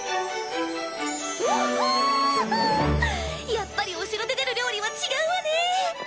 やっぱりお城で出る料理は違うわね！